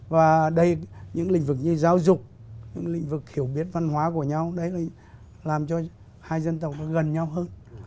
và đây những lĩnh vực như giáo dục những lĩnh vực hiểu biết văn hóa của nhau đấy làm cho hai dân tộc gần nhau hơn